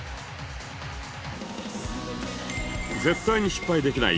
絶対に失敗できない